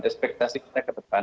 ekspektasi kita ke depan